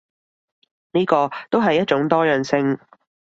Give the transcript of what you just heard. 呢個都係一種多樣性